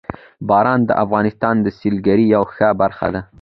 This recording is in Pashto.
باران د افغانستان د سیلګرۍ یوه ښه برخه ده.